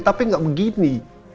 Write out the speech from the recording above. tapi gak begini